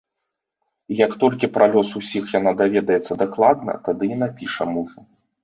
І як толькі пра лёс усіх яна даведаецца дакладна, тады і напіша мужу.